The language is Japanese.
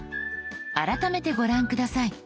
改めてご覧下さい。